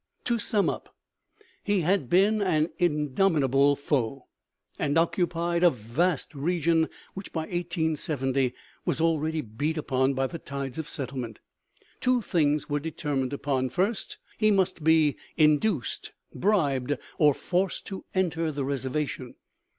To sum up, he had been an indomitable foe, and occupied a vast region which by 1870 was already beat upon by the tides of settlement. Two things were determined upon: First, he must be induced, bribed, or forced to enter the reservation.